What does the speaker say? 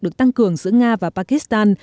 được tăng cường giữa nga và pakistan